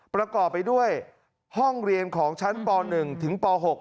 ประกอบไปด้วยห้องเรียนของชั้นป๑ถึงป๖